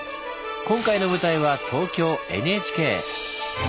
今回の舞台は東京・ＮＨＫ。